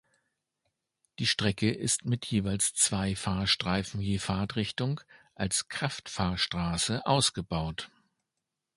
Die Strecke ist mit jeweils zwei Fahrstreifen je Fahrtrichtung als Kraftfahrstraße ausgebaut.